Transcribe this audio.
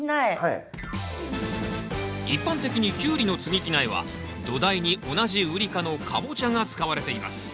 一般的にキュウリの接ぎ木苗は土台に同じウリ科のカボチャが使われています。